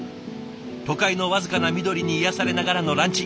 都会の僅かな緑に癒やされながらのランチ。